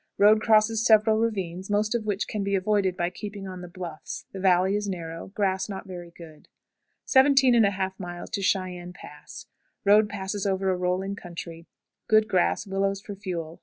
Road crosses several ravines, most of which can be avoided by keeping on the bluffs; the valley is narrow. Grass not very good. 17 1/2. Cheyenne Pass. Road passes over a rolling country. Good grass; willows for fuel.